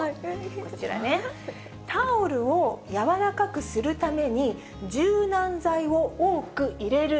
こちらね、タオルを柔らかくするために、柔軟剤を多く入れる。